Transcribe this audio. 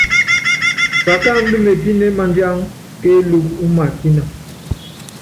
Pakáandú mépíné madíangá kélúkú ú matína.